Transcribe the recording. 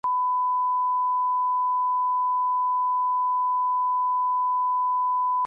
It was released on an album of the same.